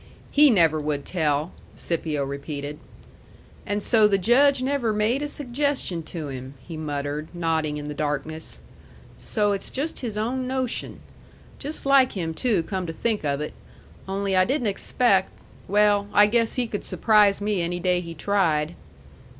"He never would tell," Scipio repeated. "And so the Judge never made a suggestion to him," he muttered, nodding in the darkness. "So it's just his own notion. Just like him, too, come to think of it. Only I didn't expect well, I guess he could surprise me any day he tried."